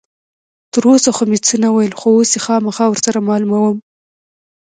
تر اوسه خو مې څه نه ویل، خو اوس یې خامخا ور سره معلوموم.